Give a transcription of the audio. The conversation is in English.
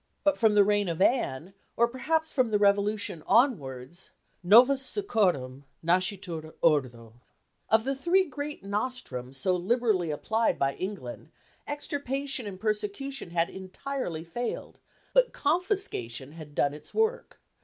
But from the reign of Anne, or perhaps from the Revolution onwards, "Novus sæcorum nascitur ordo." Of the three great nostrums so liberally applied by England, extirpation and persecution had entirely failed, but confiscation had done its work.